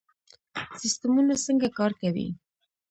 سیستمونه څنګه کار کوي؟